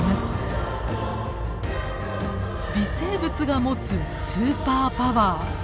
微生物が持つスーパーパワー。